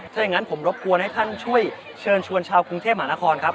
ถ้าอย่างนั้นผมรบกวนให้ท่านช่วยเชิญชวนชาวกรุงเทพมหานครครับ